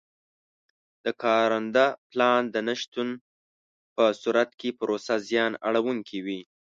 د کارنده پلان د نه شتون په صورت کې پروسه زیان اړوونکې وي.